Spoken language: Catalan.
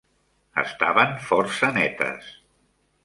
Estaven força netes.